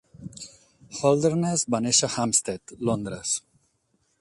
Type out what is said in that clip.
Holderness va néixer a Hampstead, Londres.